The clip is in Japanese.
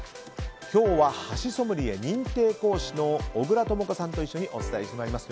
今日は箸ソムリエ認定講師の小倉朋子さんと一緒にお伝えしてまいります。